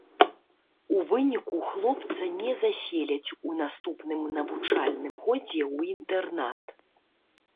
У выніку хлопца не заселяць у наступным навучальным годзе ў інтэрнат.